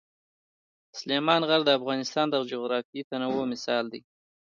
سلیمان غر د افغانستان د جغرافیوي تنوع مثال دی.